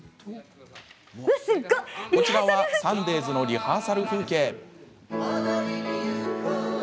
こちらはサンデーズのリハーサル風景。